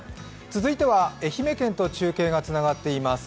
続いては愛媛県と中継がつながっています。